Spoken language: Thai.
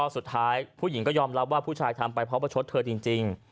สุดท้ายผู้หญิงก็ยอมรับว่าผู้ชายทำไปเพราะประชดเธอจริง